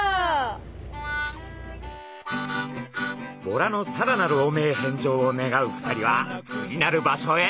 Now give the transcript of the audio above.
ボラのさらなる汚名返上を願う２人は次なる場所へ！